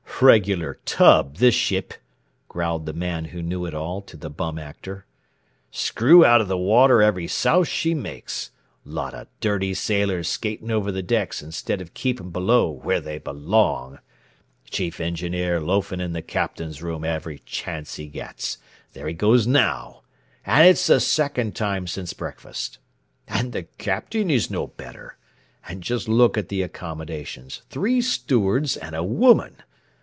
"Regular tub, this ship!" growled the Man Who Knew It All to the Bum Actor. "Screw out of the water every souse she makes; lot of dirty sailors skating over the decks instead of keeping below where they belong; Chief Engineer loafing in the Captain's room every chance he gets there he goes now and it's the second time since breakfast. And the Captain is no better! And just look at the accommodations three stewards and a woman!